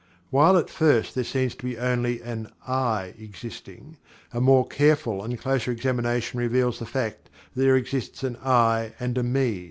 While at first there seems to be only an "I" existing, a more careful and closer examination reveals the fact that there exists an "I" and a "Me."